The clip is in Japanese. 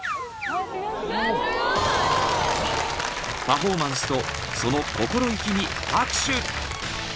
［パフォーマンスとその心意気に拍手］